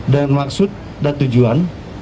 dan maksud dan tujuan